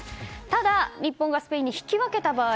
ただ、日本がスペインに引き分けた場合。